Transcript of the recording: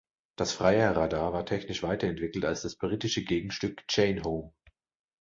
Das Freya-Radar war technisch weiter entwickelt als das britische Gegenstück Chain Home.